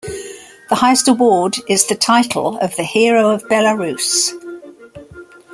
The highest award is the title of the Hero of Belarus.